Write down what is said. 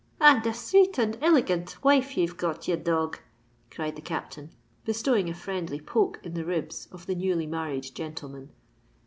"And a sweet and iligant wife ye've got, ye dog!" cried the Captain, bestowing a friendly poke in the ribs of the newly married gentleman.